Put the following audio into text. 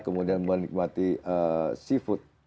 kemudian menikmati seafood